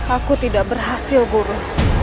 aku tidak berhasil guru